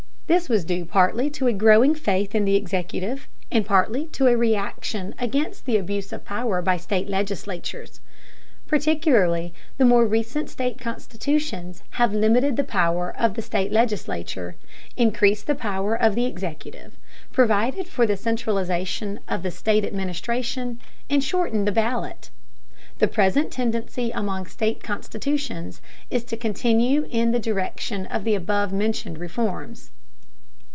This was due partly to a growing faith in the executive, and partly to a reaction against the abuse of power by state legislatures. Particularly the more recent state constitutions have limited the power of the state legislature, increased the power of the executive, provided for the centralization of the state administration, and shortened the ballot. The present tendency among state constitutions is to continue in the direction of the above mentioned reforms.